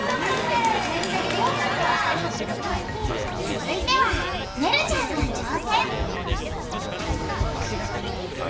続いてはねるちゃんが挑戦！